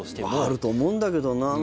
あると思うんだけどな。